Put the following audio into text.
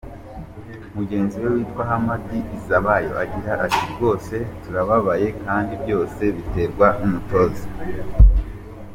Mugenzi we witwa Hamad Izabayo agira ati “Rwose turababaye kandi byose biterwa n’umutoza.